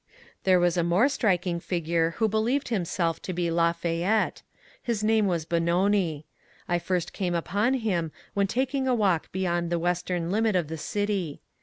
There was a more striking figure who believed himself to be Lafayette. His name was Benoni. I first came upon him when taking a walk beyond the western limit of the city.